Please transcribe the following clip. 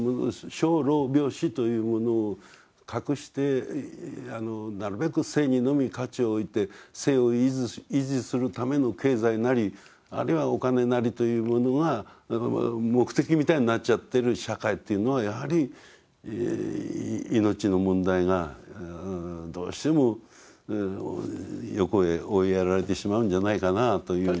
生老病死というものを隠してなるべく生にのみ価値を置いて生を維持するための経済なりあるいはお金なりというものは目的みたいになっちゃってる社会っていうのはやはり命の問題がどうしても横へ追いやられてしまうんじゃないかなというような。